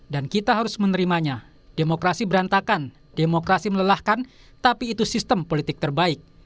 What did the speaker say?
dan kita harus menerimanya demokrasi berantakan demokrasi melelahkan tapi itu sistem politik terbaik